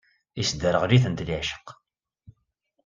Isderɣel-itent leɛceq.